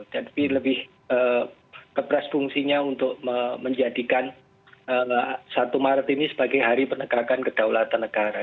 tapi lebih kepres fungsinya untuk menjadikan satu maret ini sebagai hari penegakan kedaulatan negara